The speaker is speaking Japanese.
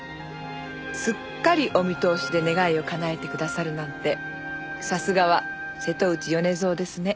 すっかりお見通しで願いをかなえてくださるなんてさすがは瀬戸内米蔵ですね。